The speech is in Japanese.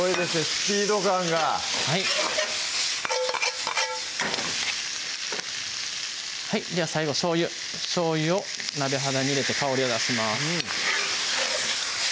スピード感がはいでは最後しょうゆしょうゆを鍋肌に入れて香りを出します